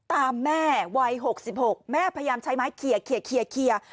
ตามแม่วัยหกสิบหกแม่พยายามใช้ไม้เคียร์เคียร์เคียร์เคียร์